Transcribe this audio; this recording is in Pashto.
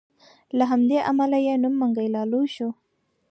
له همدې امله یې نوم منګی لالو شو.